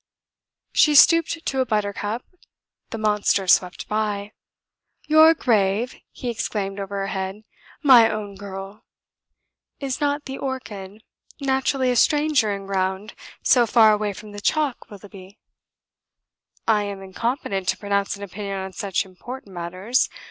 She stooped to a buttercup; the monster swept by. "Your grave!" he exclaimed over her head; "my own girl!" "Is not the orchid naturally a stranger in ground so far away from the chalk, Willoughby?" "I am incompetent to pronounce an opinion on such important matters.